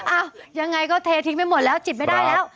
อ้าวยังไงก็เททิ้งไปหมดแล้วจิบไม่ได้แล้ว